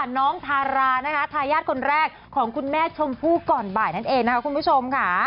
น้องทารานะคะทายาทคนแรกของคุณแม่ชมพู่ก่อนบ่ายนั่นเองนะคะคุณผู้ชมค่ะ